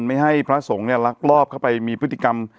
ไม่ให้พระสงฆ์เนี่ยลักลอบเข้าไปมีพฤติกรรม